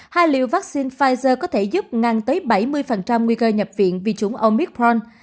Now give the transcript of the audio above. hai liều vaccine pfizer có thể giúp ngăn tới bảy mươi nguy cơ nhập viện vì chúng omicron